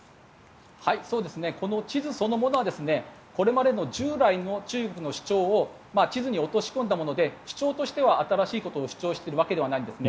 この地図そのものはこれまでの従来の中国の主張を地図に落とし込んだもので主張しては新しいものを主張しているわけではないんです。